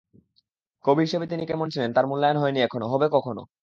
কবি হিসেবে তিনি কেমন ছিলেন তাঁর মূল্যায়ন হয়নি এখনো, হবে কখনো।